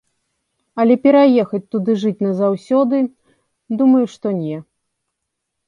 Але пераехаць туды жыць назаўсёды, думаю, што не.